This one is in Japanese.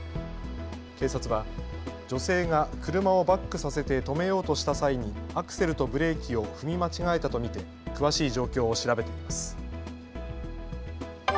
警察は女性が車をバックさせて止めようとした際にアクセルとブレーキを踏み間違えたと見て詳しい状況を調べています。